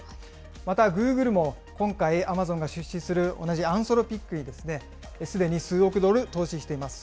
またグーグルも今回アマゾンが出資する同じアンソロピックに、すでに数億ドル投資しています。